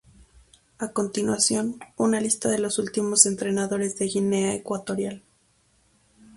A continuación, una lista de los últimos entrenadores de Guinea Ecuatorial.